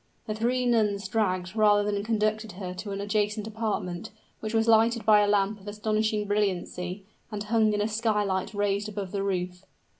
The three nuns dragged, rather than conducted her to an adjacent apartment, which was lighted by a lamp of astonishing brilliancy, and hung in a skylight raised above the roof.